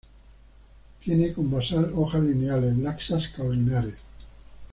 Tiene con basal hojas lineales, laxas caulinares.